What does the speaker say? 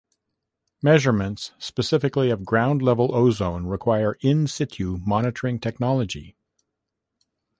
Measurements specifically of ground-level ozone require "in situ" monitoring technology.